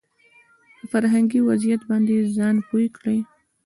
په فرهنګي وضعيت باندې ځان پوه کړي